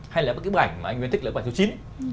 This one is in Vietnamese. hay là cái bức ảnh mà anh nguyễn thích là bức ảnh số chín